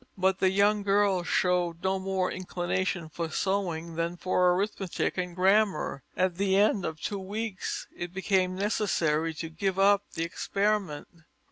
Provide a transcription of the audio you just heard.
But the young girl showed no more inclination for sewing than for arithmetic and grammar. At the end of two weeks it became necessary to give up the experiment.